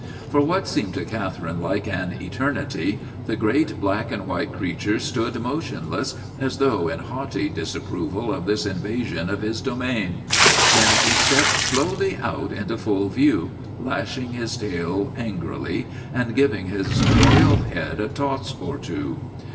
For what seemed to Catherine like an eternity the great black and white creature stood motionless as though in haughty disapproval of this invasion of his domain. Then he stepped slowly out into full view, lashing his tail angrily and giving his royal head a toss or two.